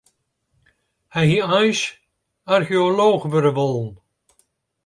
Hy hie eins archeolooch wurde wollen.